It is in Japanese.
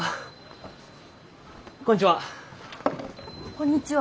こんにちは。